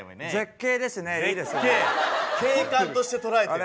景観として捉えてる？